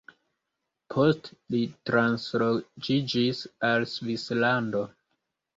Post li transloĝiĝis al Svislando.